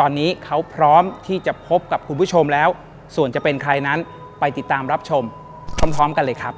ตอนนี้เขาพร้อมที่จะพบกับคุณผู้ชมแล้วส่วนจะเป็นใครนั้นไปติดตามรับชมพร้อมกันเลยครับ